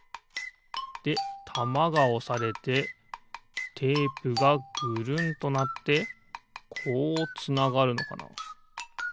でたまがおされてテープがぐるんとなってこうつながるのかな？